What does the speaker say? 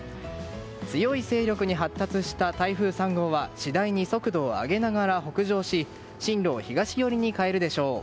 強い勢力に発達した台風３号は次第に速度を上げながら北上し進路を東寄りに変えるでしょう。